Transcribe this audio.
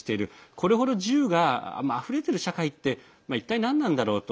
これほど銃があふれている社会って一体、なんなんだろうと。